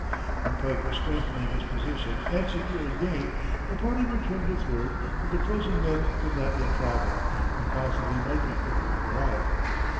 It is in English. While Pike was strengthening his position and securing game, the party returned with word that the frozen men could not yet travel, and possibly might be crippled for life.